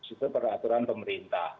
di situ peraturan pemerintah